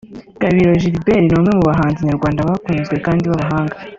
Gabiro Gilbert ni umwe mu bahanzi nyarwanda bakunzwe kandi b'abahanga